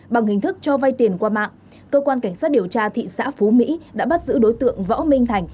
bằng hình thức cho vay tiền qua mạng cơ quan cảnh sát điều tra thị xã phú mỹ đã bắt giữ đối tượng võ minh thành